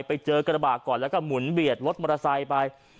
ไปเจอกระบาดก่อนแล้วก็หมุนเบียดรถมอเตอร์ไซค์ไป